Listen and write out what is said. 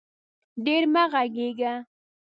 ډېر مه غږېږه